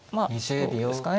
どうですかね